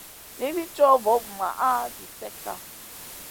Nizi cow vovumaʼa zi slekka.